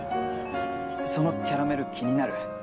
そのキャラメル気になる？